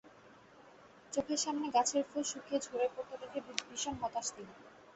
চোখের সামনে গাছের ফুল শুকিয়ে ঝরে পড়তে দেখে ভীষণ হতাশ তিনি।